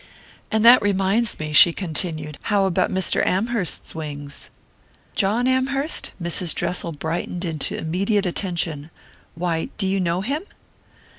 "And that reminds me," she continued "how about Mr. Amherst's wings?" "John Amherst?" Mrs. Dressel brightened into immediate attention. "Why, do you know him?"